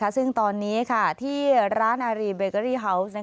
ซึ่งตอนนี้ที่ร้านอารีเบเกอรี่ฮาวส์